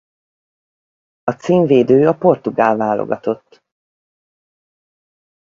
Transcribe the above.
A címvédő a portugál válogatott.